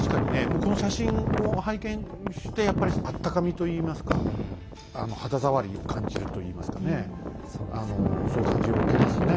もうこの写真を拝見してやっぱりあったかみといいますか肌触りを感じるといいますかねそういう感じを受けますね。